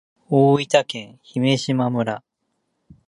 大分県姫島村